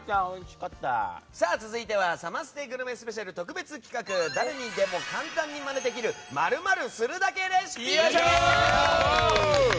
続いてはサマステグルメスペシャル特別企画誰にでも簡単にマネできる○○するだけレシピ！